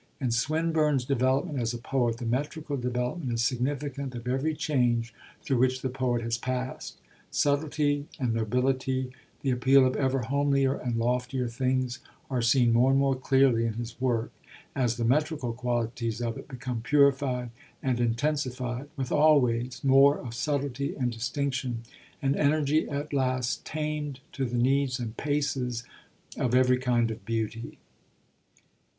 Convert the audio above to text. In Swinburne's development as a poet the metrical development is significant of every change through which the poet has passed. Subtlety and nobility, the appeal of ever homelier and loftier things, are seen more and more clearly in his work, as the metrical qualities of it become purified and intensified, with always more of subtlety and distinction, an energy at last tamed to the needs and paces of every kind of beauty.